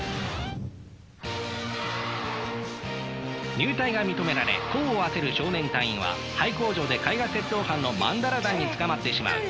入隊が認められ功を焦る少年隊員は廃工場で絵画窃盗犯のマンダラ団に捕まってしまう。